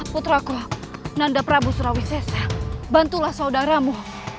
putraku nanda prabu surawisesa bantulah saudaramu